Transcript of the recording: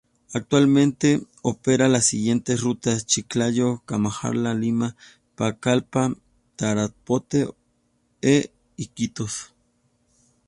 Actualmente opera a las siguientes rutas: Chiclayo, Cajamarca, Lima, Pucallpa, Tarapoto e Iquitos.